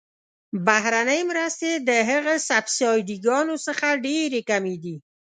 بهرنۍ مرستې د هغه سبسایډي ګانو څخه ډیرې کمې دي.